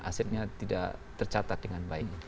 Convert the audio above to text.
asetnya tidak tercatat dengan baik